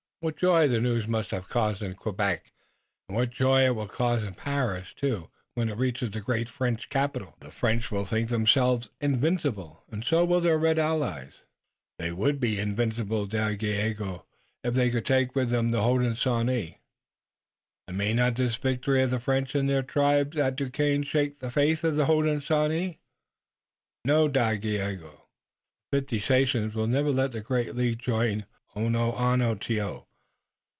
What joy the news must have caused in Quebec, and what joy it will cause in Paris, too, when it reaches the great French capital! The French will think themselves invincible and so will their red allies." "They would be invincible, Dagaeoga, if they could take with them the Hodenosaunee." "And may not this victory of the French and their tribes at Duquesne shake the faith of the Hodenosaunee?" "No, Dagaeoga. The fifty sachems will never let the great League join Onontio.